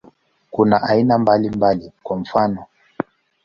Kuna aina mbalimbali, kwa mfano.